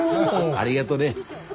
ありがどね。